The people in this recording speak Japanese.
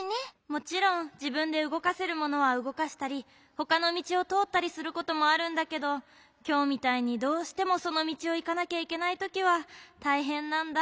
もちろんじぶんでうごかせるものはうごかしたりほかのみちをとおったりすることもあるんだけどきょうみたいにどうしてもそのみちをいかなきゃいけないときはたいへんなんだ。